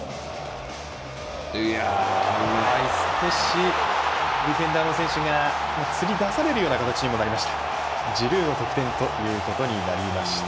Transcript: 少しディフェンダーの選手がつり出されるような形になりました。